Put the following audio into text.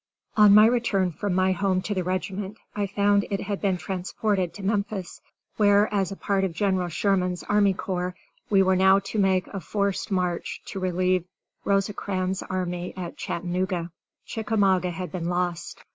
On my return from my home to my regiment I found it had been transported to Memphis, where, as a part of General Sherman's army corps, we were now to make a forced march to relieve Rosecrans' army at Chattanooga. Chickamauga had been lost.